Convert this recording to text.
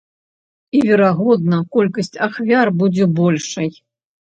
І верагодна, колькасць ахвяр будзе большай.